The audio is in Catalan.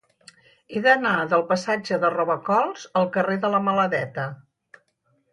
He d'anar del passatge de Robacols al carrer de la Maladeta.